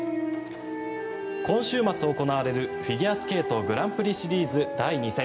今週末行われるフィギュアスケートグランプリシリーズ第２戦。